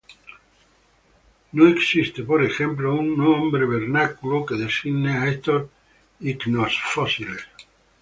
No existe, por ejemplo un nombre vernáculo que designe a estos icnofósiles.